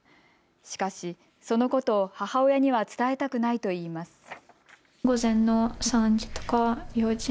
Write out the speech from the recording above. しかし、そのことを母親には伝えたくないといいます。